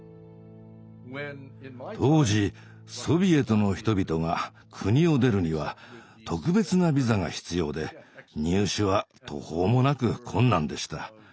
当時ソビエトの人々が国を出るには特別なビザが必要で入手は途方もなく困難でした。